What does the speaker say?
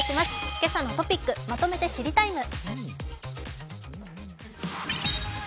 「けさのトピックまとめて知りＴＩＭＥ，」。